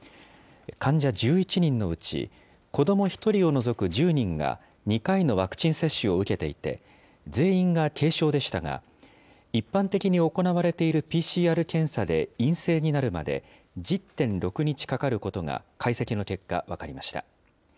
患者１１人のうち、子ども１人を除く１０人が２回のワクチン接種を受けていて、全員が軽症でしたが、一般的に行われているＰＣＲ検査で陰性になるまで１０．６日かかることが、解析の結果、分かりました。